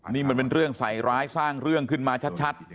นี่มันเป็นเรื่องใส่ร้ายสร้างเรื่องขึ้นมาชัด